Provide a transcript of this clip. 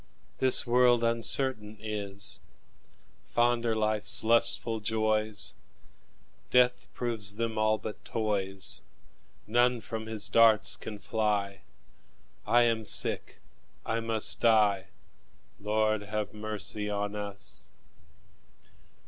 This world uncertain is: Fond are life's lustful joys, Death proves them all but toys. None from his darts can fly; I am sick, I must die Lord, have mercy on us!